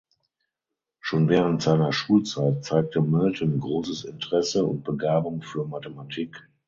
Schon während seiner Schulzeit zeigte Milton großes Interesse und Begabung für Mathematik.